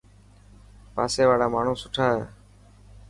پاسي واڙا ماڻهو سٺا هي.